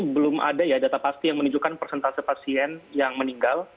belum ada ya data pasti yang menunjukkan persentase pasien yang meninggal